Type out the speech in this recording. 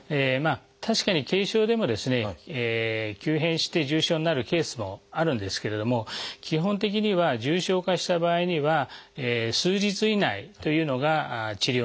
確かに軽症でもですね急変して重症になるケースもあるんですけれども基本的には重症化した場合には数日以内というのが治療のカギとなります。